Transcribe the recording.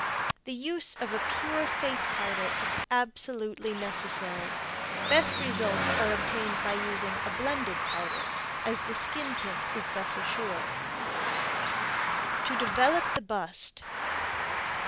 The use of a pure face powder is absolutely necessary. Best results are obtained by using a blended powder, as the skin tint is thus assured. TO DEVELOP THE BUST.